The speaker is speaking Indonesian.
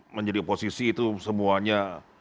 menjadi oposisi itu semuanya